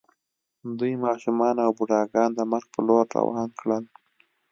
دوی ماشومان او بوډاګان د مرګ په لور روان کړل